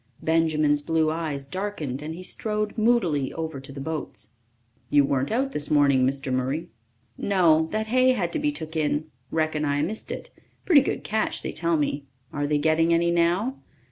Benjamin's blue eyes darkened, and he strode moodily over to the boats. "You weren't out this morning, Mr. Murray?" "No, that hay had to be took in. Reckon I missed it pretty good catch, they tell me. Are they getting any now?"